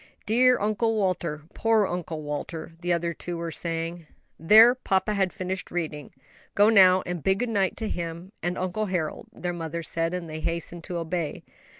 "Dear Uncle Walter," "Poor Uncle Walter!" the other two were saying. "There, papa has finished reading; go now and bid good night to him and Uncle Harold," their mother said; and they hastened to obey.